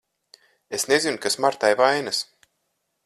Es nezinu, kas Martai vainas.